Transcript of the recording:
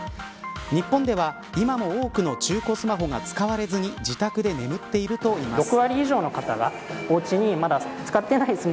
日本では今も多くの中古スマホが使われずに自宅で眠っているといいます。